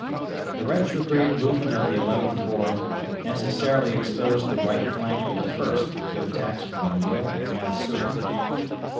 The retrograde movement of the Eleventh Corps necessarily exposed the right flank of the First to attacks from O'Neill and Ramseur.